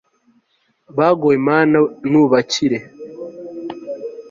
bagowe mana nubakire